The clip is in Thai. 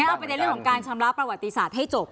งั้นเอาประเด็นเรื่องของการชำระประวัติศาสตร์ให้จบ